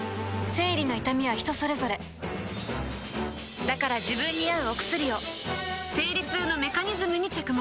生理の痛みは人それぞれだから自分に合うお薬を生理痛のメカニズムに着目